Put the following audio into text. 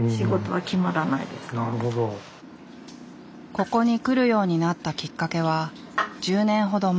ここに来るようになったきっかけは１０年ほど前。